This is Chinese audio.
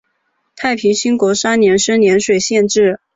太平兴国三年升涟水县置。